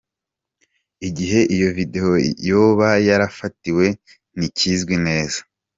Igihe iyo video yoba yarafatiwe ntikizwi neza.